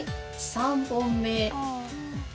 ３本目。